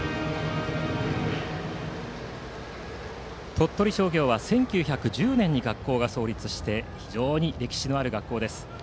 鳥取商業は１９１０年に学校が創立して非常に歴史のある学校です。